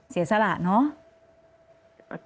เสียสละเนาะ